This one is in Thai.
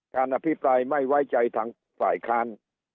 อภิปรายไม่ไว้ใจทางฝ่ายค้าน